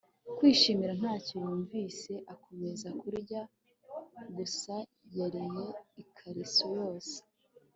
kwishimira ntacyo yumvise, akomeza kurya gusa. yariye ikariso yose